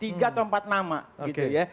tiga atau empat nama gitu ya